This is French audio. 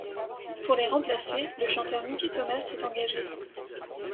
Pour les remplacer, le chanteur Mickey Thomas est engagé.